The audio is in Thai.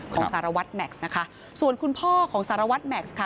สารวัตรแม็กซ์นะคะส่วนคุณพ่อของสารวัตรแม็กซ์ค่ะ